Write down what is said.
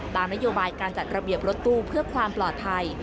ตามนโยบายการจัดระเบียบรถตู้เพื่อความปลอดภัย